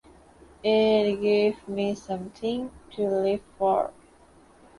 It gives me something to live for.